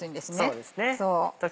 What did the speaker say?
そうですね。